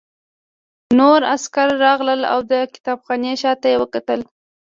نور عسکر راغلل او د کتابخانې شاته یې وکتل